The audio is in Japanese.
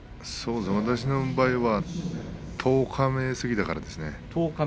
私の場合は十日目過ぎてからですね。